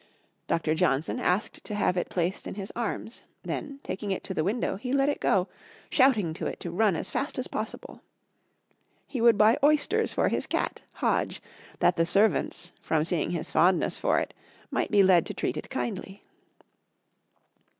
Dr. Johnson asked to have it placed in his arms; then, taking it to the window, he let it go, shouting to it to run as fast as possible. He would buy oysters for his cat, Hodge, that the servants, from seeing his fondness for it, might be led to treat it kindly.